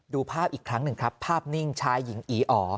ดูภาพอีกครั้งหนึ่งครับภาพนิ่งชายหญิงอีอ๋อ